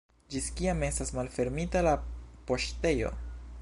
Ĝis kiam estas malfermita la poŝtejo?